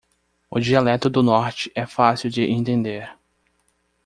O dialeto do norte é fácil de entender.